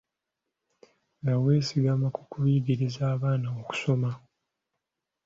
Nga weesigama ku kuyigiriza abaana okusoma.